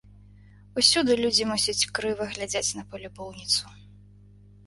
Усюды людзі, мусіць, крыва глядзяць на палюбоўніцу.